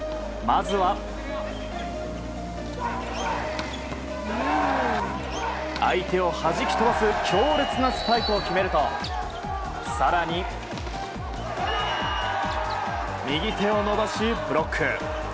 まずは相手をはじき飛ばす強烈なスパイクを決めると更に、右手を伸ばしブロック。